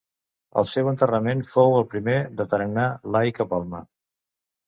El seu enterrament fou el primer de tarannà laic a Palma.